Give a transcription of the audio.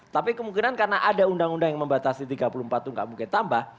tapi kemungkinan karena ada undang undang yang membatasi tiga puluh empat itu tidak mungkin tambah